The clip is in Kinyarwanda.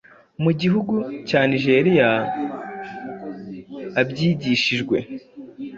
mu gihugu cya Nigeria abyigishijwe